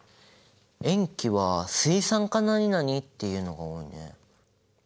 塩基は水酸化何々っていうのが多いね。